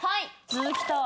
続きたい！